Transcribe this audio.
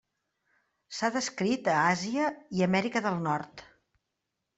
S'ha descrit a Àsia i Amèrica del Nord.